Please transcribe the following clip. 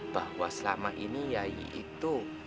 bahwa selama ini yayi itu